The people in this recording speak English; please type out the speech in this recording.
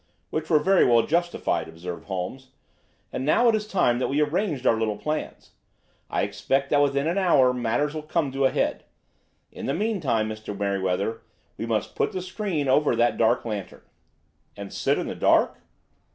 "Which were very well justified," observed Holmes. "And now it is time that we arranged our little plans. I expect that within an hour matters will come to a head. In the meantime Mr. Merryweather, we must put the screen over that dark lantern." "And sit in the dark?"